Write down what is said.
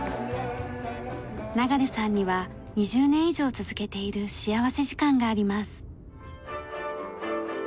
流さんには２０年以上続けている幸福時間があります。